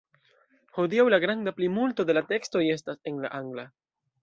Hodiaŭ la granda plimulto de la tekstoj estas en la angla.